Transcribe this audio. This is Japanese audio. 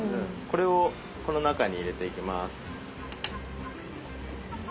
これをこの中に入れていきます。